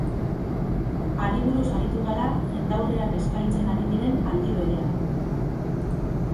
Hari buruz aritu gara jendaurrean eskaintzen ari diren aldi berean.